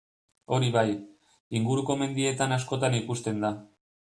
Hori bai, inguruko mendietan askotan ikusten da.